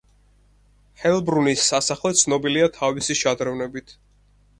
ჰელბრუნის სასახლე ცნობილია თავისი შადრევნებით.